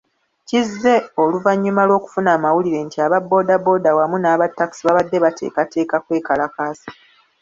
Kize oluvannyuma lw'okufuna amawulire nti aba boda boda wamu naba takisi babadde bateekateeka kwekalakaasa.